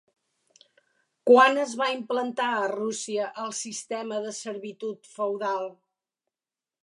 Quan es va implantar a Rússia el sistema de servitud feudal?